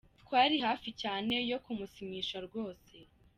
Twari hafi cyane yo kumusinyisha rwose.